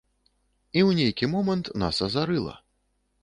І ў нейкі момант нас азарыла.